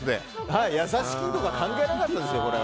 優しくとか関係なかったですよ。